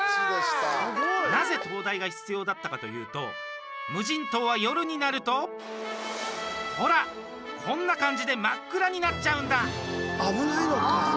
なぜ灯台が必要だったかというと無人島は夜になるとほら、こんな感じで真っ暗になっちゃうんだ。